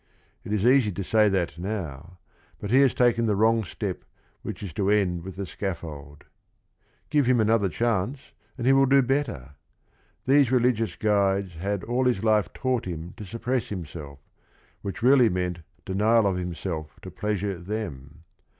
It is easy to say that now, but he has taken the wrong step which is to end with the scaffold. Give him another chance, and he will do better. These religious guides had all his life taught him to suppress himself, which really meant denial of himself to pleasure them.